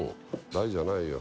台じゃないよ。